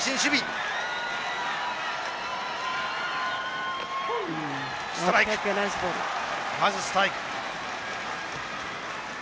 まずストライク。